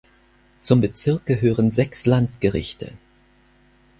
Zum Bezirk gehören sechs Landgerichte.